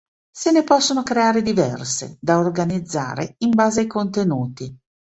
Se ne possono creare diverse, da organizzare in base ai contenuti.